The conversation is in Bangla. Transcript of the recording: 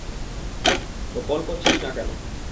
তো কল করছিস না কেন?